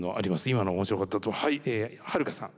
今の面白かったはいはるかさん。